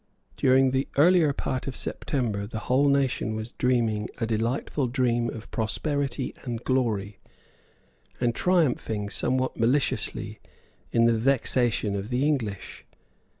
During the earlier part of September the whole nation was dreaming a delightful dream of prosperity and glory; and triumphing, somewhat maliciously, in the vexation of the English.